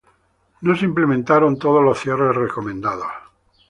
No se implementaron todos los cierres recomendados.